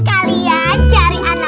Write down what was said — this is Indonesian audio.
kalian cari anak santriwan ya